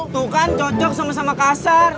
tuh kan cocok sama sama kasar